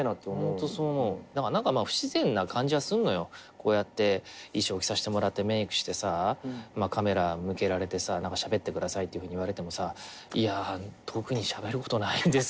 こうやって衣装着させてもらってメークしてさカメラ向けられてさしゃべってくださいっていうふうに言われてもさいや特にしゃべることないんですけどって。